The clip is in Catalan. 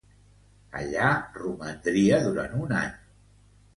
Allà romandria durant un any.